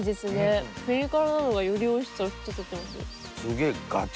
ピリ辛なのがより美味しさを引き立ててます。